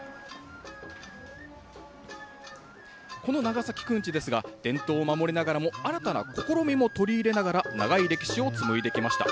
この長崎くんちですが、伝統を守りながらも新たな試みも取り入れながら、長い歴史を紡いできました。